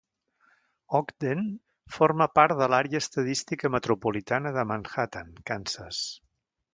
Ogden forma part de l'àrea estadística metropolitana de Manhattan, Kansas.